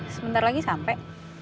sebentar lagi sampai